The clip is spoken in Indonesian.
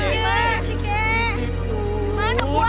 jauh banget sih kakek